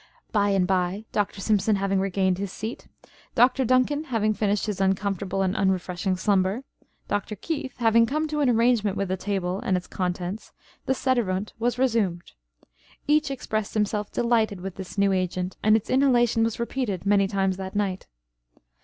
By and by Dr. Simpson having regained his seat, Dr. Duncan having finished his uncomfortable and unrefreshing slumber, Dr. Keith having come to an arrangement with the table and its contents, the sederunt was resumed. Each expressed himself delighted with this new agent, and its inhalation was repeated many times that night.